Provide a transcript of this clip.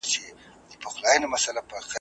پر خپل حال باندي یې وایستل شکرونه `